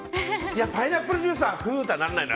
パイナップルジュースはふぅとはならないな。